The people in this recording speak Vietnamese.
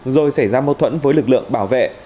rồi xảy ra mâu thuẫn với lực lượng bảo vệ